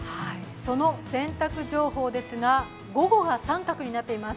その洗濯情報ですが午後が△になっています。